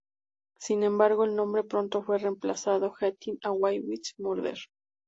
Sin embargo, el nombre pronto fue reemplazado "Getting Away With Murder".